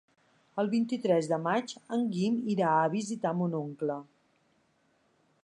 El vint-i-tres de maig en Guim irà a visitar mon oncle.